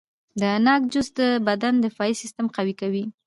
د ناک جوس د بدن دفاعي سیستم قوي کوي.